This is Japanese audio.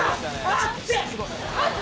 あっ！